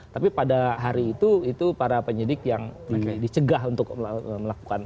tapi pada hari itu itu para penyidik yang dicegah untuk melakukan